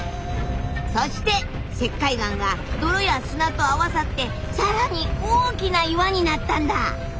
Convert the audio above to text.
そして石灰岩が泥や砂と合わさって更に大きな岩になったんだ！